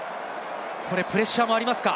プレッシャーもありますか？